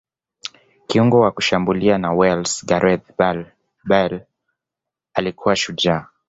kiungo wa kushambulia wa Wales gareth bale alikuwa shujaa